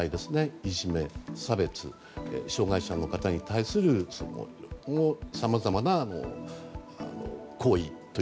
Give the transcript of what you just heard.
いじめ、差別障害者の方に対するさまざまな行為。